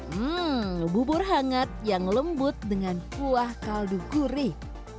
hmm bubur hangat yang lembut dengan kuah kaldu gurih